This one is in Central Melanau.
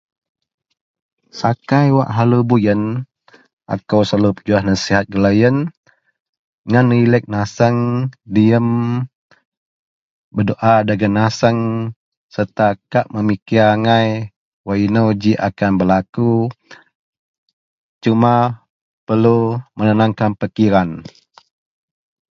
sakai wak selalu buyen, akou selalu pejuah nasihat gak deloyien ngan relek nasang, diam berdoa dagen nasang seta kak memikir agai wak inou ji akan belaku. Cuma perlu menenangkan pikiran